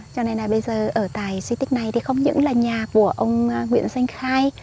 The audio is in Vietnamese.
cho nên là bây giờ ở tại di tích này thì không những là nhà của ông nguyễn danh khai